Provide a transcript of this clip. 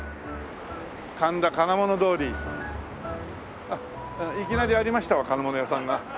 神田金物通り。あっいきなりありましたわ金物屋さんが。